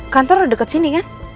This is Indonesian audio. kantor udah dekat sini kan